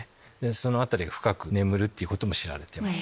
その辺りが深く眠るってことも知られています。